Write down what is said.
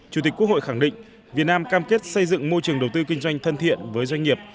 chủ tịch quốc hội khẳng định việt nam cam kết xây dựng môi trường đầu tư kinh doanh thân thiện với doanh nghiệp